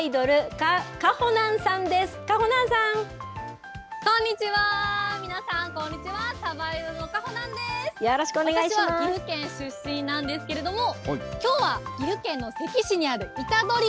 私は岐阜県出身なんですけれども、きょうは岐阜県の関市にあるいたどり